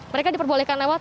mereka diperbolehkan lewat